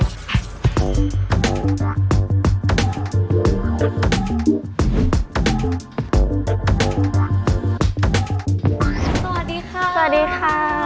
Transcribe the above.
สวัสดีค่ะสวัสดีค่ะสวัสดีค่ะ